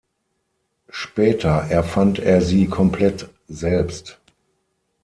Später erfand er sie komplett selbst.